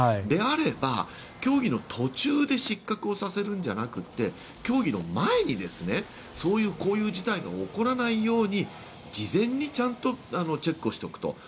であれば競技の途中で失格をさせるんじゃなくて競技の前にこういう事態が起こらないように事前にちゃんとチェックをしておくと。